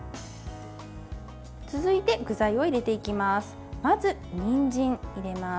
続いて、具材を入れていきます。